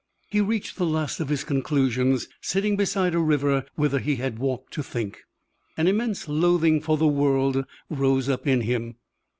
He reached the last of his conclusions sitting beside a river whither he had walked to think. An immense loathing for the world rose up in him.